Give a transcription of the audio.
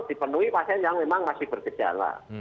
dipenuhi pasien yang memang masih bergejala